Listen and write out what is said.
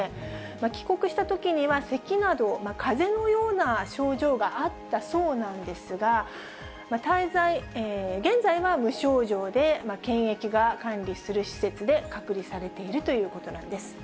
帰国したときには、せきなど、かぜのような症状があったそうなんですが、現在は無症状で、検疫が管理する施設で隔離されているということなんです。